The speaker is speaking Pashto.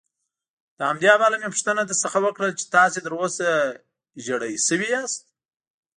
له همدې امله مې پوښتنه درڅخه وکړل چې تاسې تراوسه ژېړی شوي یاست.